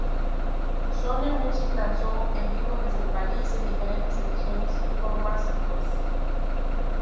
Sony Music lanzó "En vivo desde París" en diferentes ediciones y formatos.